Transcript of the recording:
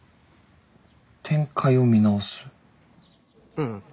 うん。